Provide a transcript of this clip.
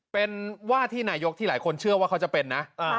เป็นว่าที่นายกที่หลายคนเชื่อว่าเขาจะเป็นนะ